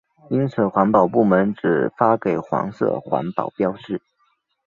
因此环保部门只发给黄色环保标志。